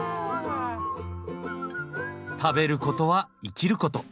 食べることは生きること。